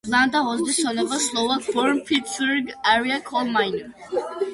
Blanda was the son of a Slovak-born Pittsburgh-area coal miner.